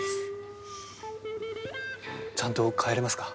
ちゃんと帰れますか？